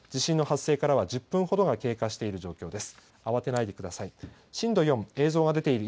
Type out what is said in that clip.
地震の発生からは１０分ほどが経過している状況です。